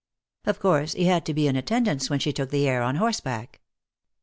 Of course, he had to be in attendance when she took the air on horseback.